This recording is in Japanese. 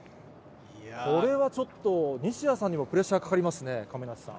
これはちょっと、西矢さんにもプレッシャーかかりますね、亀梨さん。